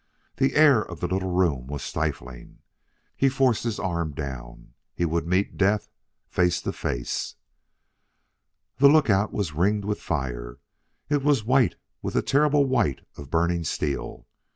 The air of the little room was stifling. He forced his arm down; he would meet death face to face. The lookout was ringed with fire; it was white with the terrible white of burning steel!